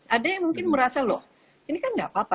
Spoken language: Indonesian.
ada yang mungkin merasa loh ini kan nggak apa apa